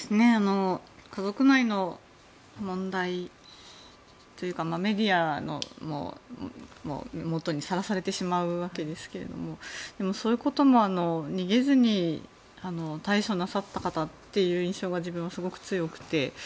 家族内の問題というかメディアのもとにさらされてしまうわけですがでも、そういうことも逃げずに対処なさった方という印象が、自分はすごく強くて。